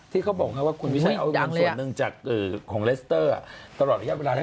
ที่เขาบอกว่าคุณวิชัยเอาเงินส่วนหนึ่งจากของเลสเตอร์ตลอดระยะเวลานั้น